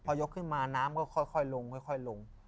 พอยกขึ้นมาน้ำก็ค่อยลง